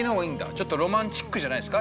ちょっとロマンチックじゃないですか？